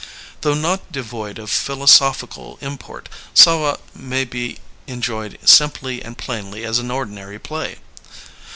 Though not devoid of philosophical import Savva may be enjoyed simply and plainly as an ordinary play.